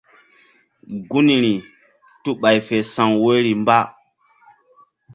Gunri tu ɓay fe sa̧w woyri mba.